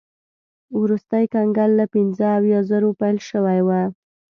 وروستی کنګل له پنځه اویا زرو پیل شوی و.